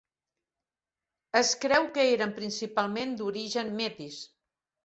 Es creu que eren principalment d'origen métis.